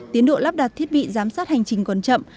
tiến độ lắp đặt thiết bị giám sát hành trình còn chậm